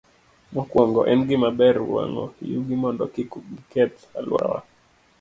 Mokwongo, en gima ber wang'o yugi mondo kik giketh alworawa.